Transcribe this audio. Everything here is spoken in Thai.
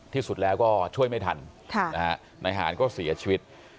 ที่สุดแล้วก็ช่วยไม่ทันนายหานก็เสียชีวิต